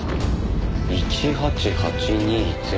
「１８８２０」？